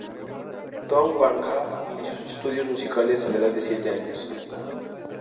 Dong Wan Ha inició sus estudios musicales a la edad de siete años.